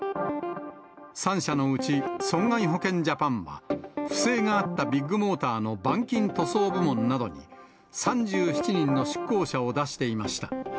３社のうち損害保険ジャパンは、不正があったビッグモーターの板金塗装部門などに、３７人の出向者を出していました。